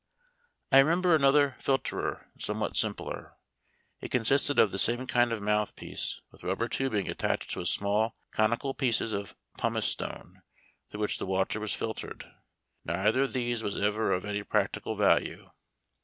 I remember another filterer, somewhat simpler. It con sisted of the same kind of mouth piece, with rubber tubing attached to a small conical piece of pumice stone, through which the water was filtered. Neither of these was ever of any practical value.